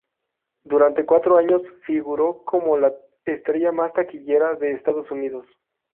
Durante cuatro años, figuró como la estrella más taquillera de Estados Unidos.